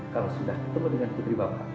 kalau sudah ketemu dengan putri bapak